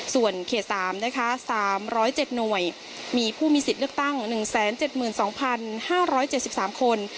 ส่วนเขต๓นะคะ๓๐๗หน่วยมีผู้มีสิทธิ์เลือกตั้ง๑๗๒๕๗๓คน